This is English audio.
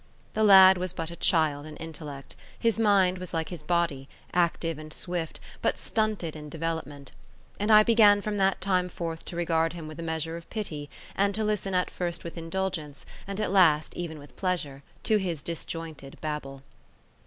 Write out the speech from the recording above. The lad was but a child in intellect; his mind was like his body, active and swift, but stunted in development; and I began from that time forth to regard him with a measure of pity, and to listen at first with indulgence, and at last even with pleasure, to his disjointed babble.